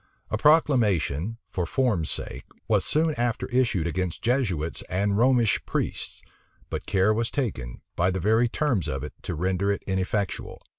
A proclamation, for form's sake, was soon after issued against Jesuits and Romish priests: but care was taken, by the very terms of it, to render it ineffectual.